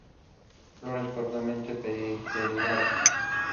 Ambassador to the Dominican Republic.